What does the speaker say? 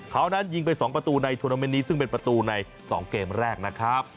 คราวนั้นยิงไปสองประตูในธุรมินิซึ่งเป็นประตูในสองเกมแรกนะครับ